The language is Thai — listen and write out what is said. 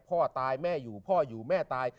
พ่อตายแม่อยู่พ่ออยู่แม่ตาย